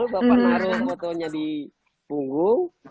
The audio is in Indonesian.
bapak naruh fotonya di punggung